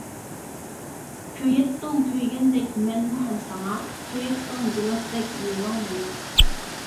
كۆيەتتىڭ كۆيگەندەك مەنمۇ ھەم ساڭا، سۆيەتتىڭ گىلاستەك لېۋىڭنى يېقىپ.